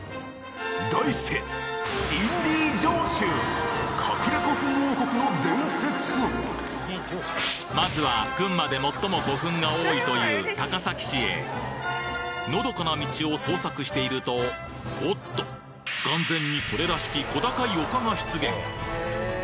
題してまずは群馬で最も古墳が多いという高崎市へのどかな道を捜索しているとおっと眼前にそれらしき小高い丘が出現